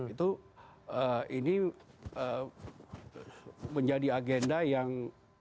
itu ini menjadi agenda yang